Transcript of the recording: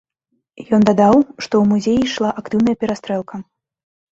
Ён дадаў, што ў музеі ішла актыўная перастрэлка.